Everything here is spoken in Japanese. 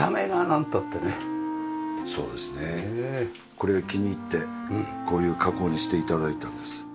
これが気に入ってこういう加工にして頂いたんです。